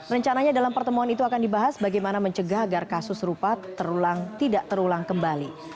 rencananya dalam pertemuan itu akan dibahas bagaimana mencegah agar kasus serupa tidak terulang kembali